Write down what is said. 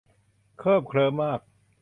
เคลิบเคลิ้มมาก